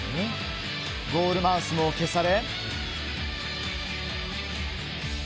ゴールマウスも消され。